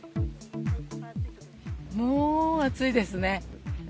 もう、暑いですね。